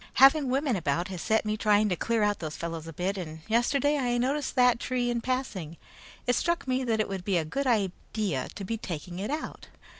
Having women about has set me trying to clean out those fellows a bit, and yesterday I noticed that tree in passing. It struck me that it would be a good idea to be taking it out.